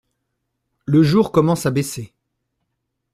Le jour commence à baisser.